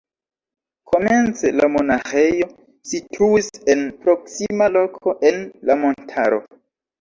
Komence la monaĥejo situis en proksima loko en la montaro.